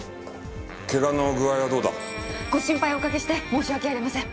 怪我の具合はどうだ？ご心配をおかけして申し訳ありません。